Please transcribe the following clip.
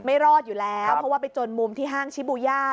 ไม่รอดอยู่แล้วเพราะว่าไปจนมุมที่ห้างชิบูย่า